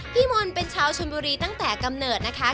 พี่มนต์เป็นชาวชนบุรีตั้งแต่กำเนิดนะคะ